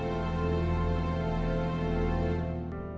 malin jangan lupa